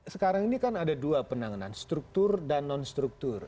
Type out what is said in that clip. sekarang ini kan ada dua penanganan struktur dan non struktur